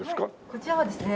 こちらはですね